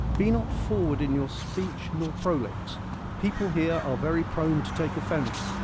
Be not forward in your speech nor prolix : people here are very prone to take offence.